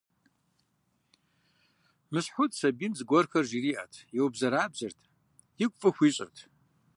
Мысхьуд сабийм зыгуэрхэр жыриӀэрт, еубзэрабзэрт, игу фӀы хуищӀырт.